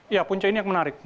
ya punca ini yang menarik